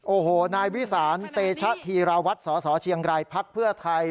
โอ้โหนายวิสานเตชะธีราวัตรสสเชียงรายพักเพื่อไทย